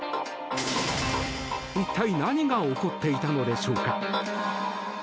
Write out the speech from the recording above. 一体何が起こっていたのでしょうか。